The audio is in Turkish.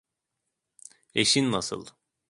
Eşin nasıl?